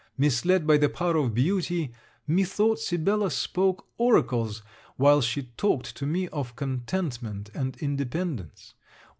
Misled by the power of beauty, methought Sibella spoke oracles while she talked to me of contentment and independence.